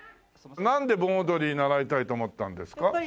なんで盆踊り習いたいと思ったんですか？